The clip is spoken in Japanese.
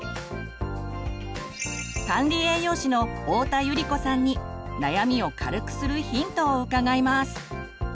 管理栄養士の太田百合子さんに悩みを軽くするヒントを伺います。